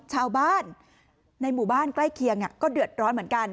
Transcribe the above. ชาวบ้านในหมู่บ้านใกล้เคียงก็เดือดร้อนเหมือนกัน